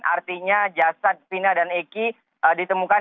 artinya jasad fina dan eki ditemukan